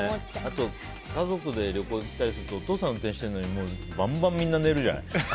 あと家族で旅行行ったりするとお父さんが運転してるのにバンバンみんな寝るじゃない。